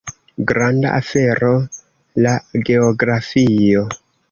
Granda afero la geografio!